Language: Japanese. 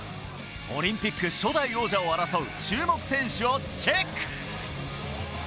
オリンピック初代王者を争う注目選手をチェック！